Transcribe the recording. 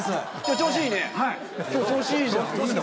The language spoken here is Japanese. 調子いいの？